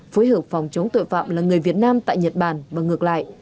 phối hợp phòng chống tội phạm là người việt nam tại nhật bản và ngược lại